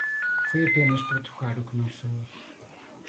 Foi apenas para tocar o que não soa.